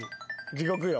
地獄よ。